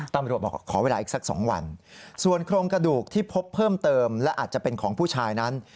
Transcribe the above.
ตำรวจบอกขอเวลาอีกสักสองวันส่วนโครงกระดูกที่พบเพิ่มเติมและอาจจะเป็นของผู้ชายนั้น